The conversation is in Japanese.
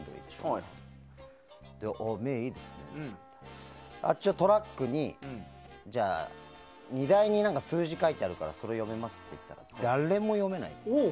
じゃあ、あっちはトラックに荷台に数字が書いてあるからあれ読めます？って聞いたら誰も読めない。